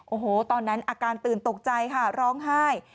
โอ้โหตอนนั้นอาการตื่นตกใจค่ะร้องไห้